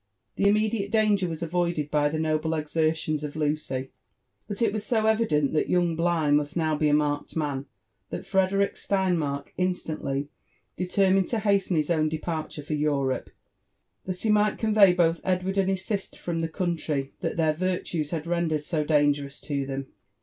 The immediate danger was avoided by the noble exertions of Lucy ; but it was so evident that young Bligh must now be a marked man, that Frederick Steinmark instantly determined to hasten his own departure for Europe, that he might convey both Edward and his sister from the country that their virtues had rendered so dangerous to them.